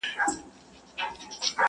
په دربار کي په نارو سوه په ځغستا سوه؛